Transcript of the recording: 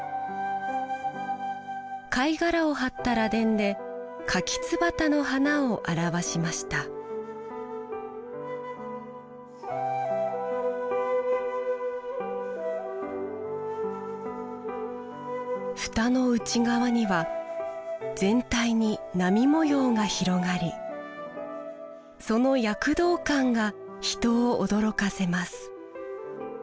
貝殻を貼った螺鈿でカキツバタの花を表しました蓋の内側には全体に波模様が広がりその躍動感が人を驚かせます